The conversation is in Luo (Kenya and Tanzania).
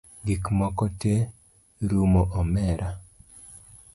Gikmoko te rumo omera